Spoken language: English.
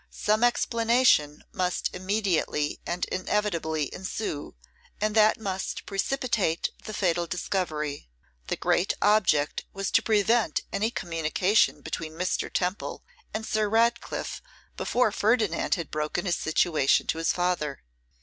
Some explanation must immediately and inevitably ensue, and that must precipitate the fatal discovery. The great object was to prevent any communication between Mr. Temple and Sir Ratcliffe before Ferdinand had broken his situation to his father.